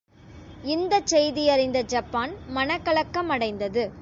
இந்தச் செய்தியறிந்த ஜப்பான் மனக்கலக்கமடைந்தது.